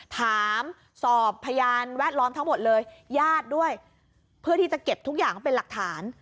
ถามสอบพยานแวดล้อมทั้งหมดเลยญาติด้วยเพื่อที่จะเก็บทุกอย่างเป็นหลักฐาน